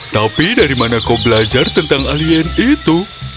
tapi dari mana kau belajar tentang alien itu